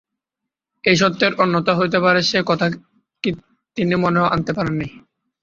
এ সত্যের অন্যথা হইতে পারে সে কথা তিনি মনেও আনিতে পারেন নাই।